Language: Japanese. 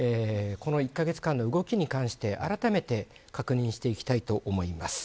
この１カ月間の動きに関してあらためて確認していきたいと思います。